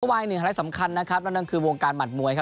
วายหนึ่งไลท์สำคัญนะครับนั่นคือวงการหัดมวยครับ